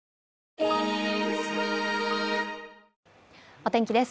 お天気です。